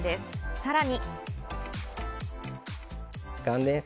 さらに。